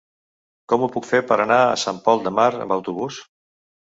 Com ho puc fer per anar a Sant Pol de Mar amb autobús?